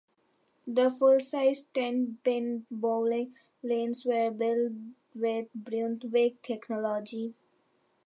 The full sized ten pin bowling lanes were built with Brunswick technology.